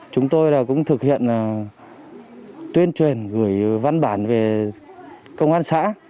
chúng tôi cũng thực hiện tuyên truyền gửi văn bản về công an xã